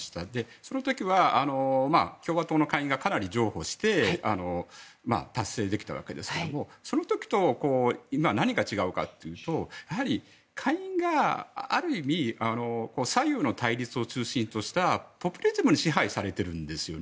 その時は、共和党の下院がかなり譲歩して達成できたわけですけどもその時と今は何が違うかというとやはり下院が、ある意味左右の対立を中心としたポピュリズムに支配されているんですね。